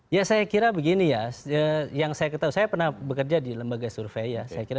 ya saya kira begini ya yang saya ketahui saya pernah bekerja di lembaga survei ya